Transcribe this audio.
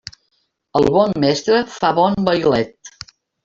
El bon mestre fa bon vailet.